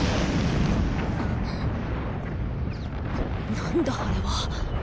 何だあれは。